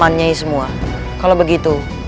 one nyai semua kalau begitu